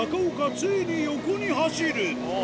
ついに横に走るおぉ！